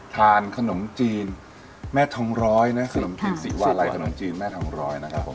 ทานขนมจีนแม่ทองร้อยนะขนมจีนสีวาลัยขนมจีนแม่ทองร้อยนะครับผม